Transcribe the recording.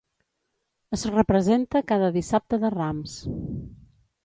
Es representa cada dissabte de Rams.